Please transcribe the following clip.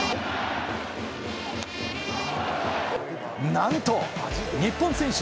なんと日本選手